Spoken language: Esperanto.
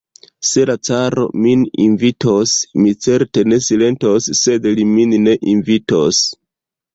Se la caro min invitos, mi certe ne silentos, sed li min ne invitos.